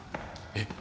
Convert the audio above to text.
えっ？